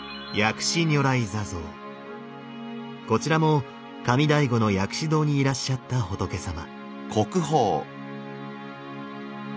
こちらも上醍醐の薬師堂にいらっしゃった仏様。